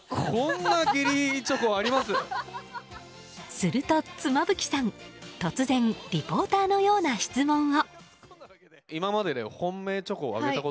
すると、妻夫木さん突然リポーターのような質問を。